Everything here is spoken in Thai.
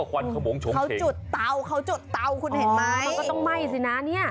เขาจุดเตาเขาจุดเตาคุณเห็นไหมอ๋อมันก็ต้องไหม้สินะเนี่ย